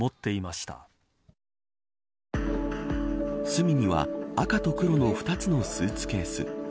隅には赤と黒の２つのスーツケース。